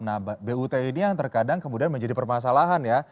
nah but ini yang terkadang kemudian menjadi permasalahan ya